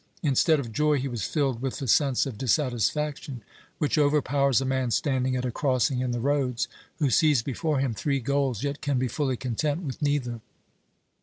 Instead of joy, he was filled with the sense of dissatisfaction which overpowers a man standing at a crossing in the roads, who sees before him three goals, yet can be fully content with neither.